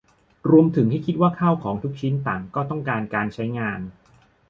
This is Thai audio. รวมถึงให้คิดว่าข้าวของทุกชิ้นต่างก็ต้องการการใช้งาน